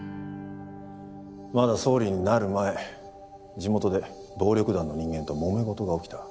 まだ総理になる前地元で暴力団の人間ともめ事が起きた。